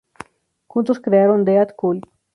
Juntos crearon Death Cult.